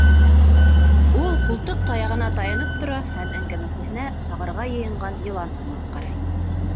Ул ҡултыҡ таяғына таянып тора һәм әңгәмәсеһенә сағырға йыйынған йылан һымаҡ ҡарай.